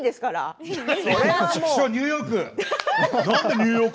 ニューヨーク。